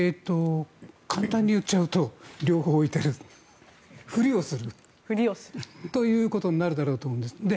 簡単に言っちゃうと両方置いているふりをするということになるんだろうと思います。